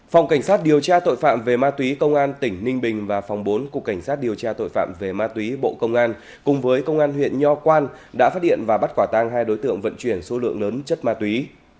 phòng cảnh sát điều tra tội phạm về ma túy công an tỉnh ninh bình và phòng bốn cục cảnh sát điều tra tội phạm về ma túy bộ công an cùng với công an huyện nho quan đã phát hiện và bắt quả tang hai đối tượng vận chuyển số lượng lớn chất ma túy